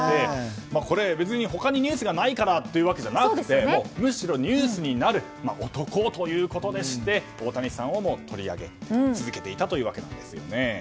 別に、他にニュースがないわけじゃなくてむしろニュースになる男ということで大谷さんを取り上げ続けていたというわけです。